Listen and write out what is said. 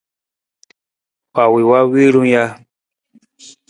Wa wii wii ron ja?